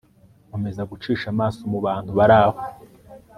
nkomeza gucisha amaso mubantu baraho